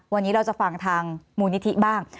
วันนี้เราจะฟังทางมูลนิธิบ้าง